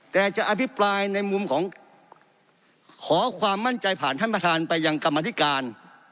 แต่จะอภิปรายในมุมของขอความมั่นใจผ่านท่านประธานไปยังกรรมธิการ